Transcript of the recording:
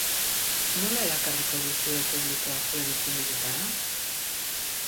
Nola erakarriko duzue publikoa zuen ekimenetara?